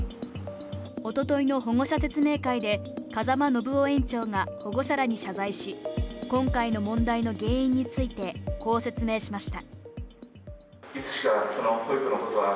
おとといの保護者説明会で風間宣夫園長が保護者らに謝罪し今回の問題の原因についてこう説明しました。